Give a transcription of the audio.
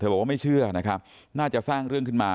เธอบอกว่าไม่เชื่อน่าจะสร้างเรื่องขึ้นมา